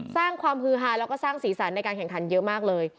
สร้างความฮือฮาแล้วก็สร้างสีสันในการแข่งขันเยอะมากเลย